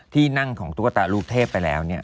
ที่นั่งของตุ๊กตาลูกเทพไปแล้วเนี่ย